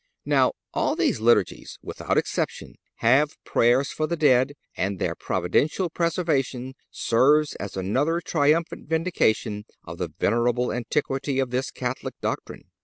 Now, all these Liturgies, without exception, have prayers for the dead, and their providential preservation serves as another triumphant vindication of the venerable antiquity of this Catholic doctrine.